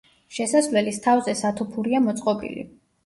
შესასვლელის თავზე სათოფურია მოწყობილი.